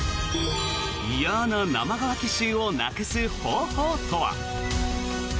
嫌な生乾き臭をなくす方法とは？